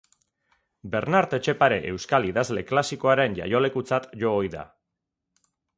Bernart Etxepare euskal idazle klasikoaren jaiolekutzat jo ohi da.